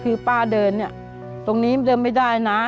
คือป้าเดินตรงนี้ด้วยไม่ได้นะ